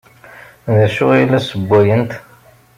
D acu ay la ssewwayent?